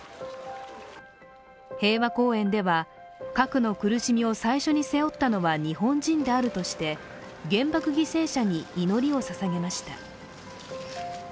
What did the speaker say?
平和公園では核の苦しみを最初に背負ったのは日本人であるとして原爆犠牲者に祈りをささげました。